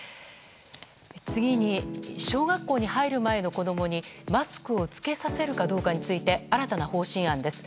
次に、小学校に入る前の子供にマスクを着けさせるかどうかについて新たな方針案です。